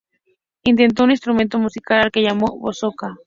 Inventó un instrumento musical al que llamó "bazooka".